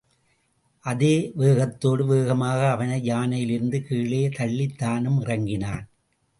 அதே வேகத்தோடு வேகமாக அவனை யானையிலிருந்து கீழே தள்ளித் தானும் இறங்கினான்.